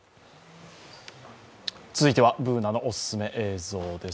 続いては、Ｂｏｏｎａのおすすめ映像です。